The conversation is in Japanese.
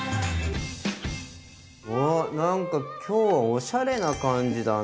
おなんか今日はおしゃれな感じだな。